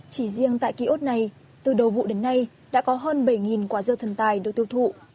chỉ riêng tại ký ốt này từ đầu vụ đến nay đã có hơn bảy quả dưa thần tài được tiêu thụ